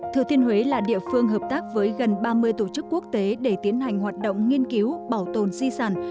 thừa thiên huế là địa phương hợp tác với gần ba mươi tổ chức quốc tế để tiến hành hoạt động nghiên cứu bảo tồn di sản